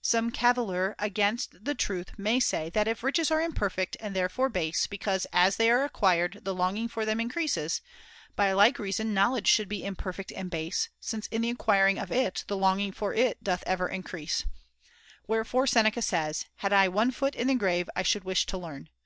Some caviller against the truth might say that if riches are imperfect and therefore base because, as they are acquired, the longing for them in creases, by like reason knowledge should be imperfect and base, since in the acquiring of it the longing for it doth ever increase; [1203 wherefore Seneca says :' Had I one foot in the grave I should wish to learn.'